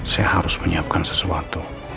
saya harus menyiapkan sesuatu